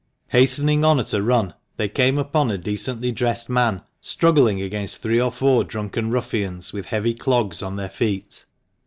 Hastening on at a run, they came upon a decently dressed man struggling against three or four drunken ruffians with heavy clogs on their feet.